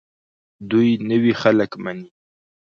دوی نوي خلک مني.